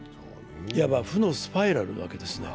いわば負のスパイラルですね。